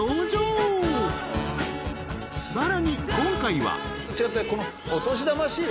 ［さらに今回は］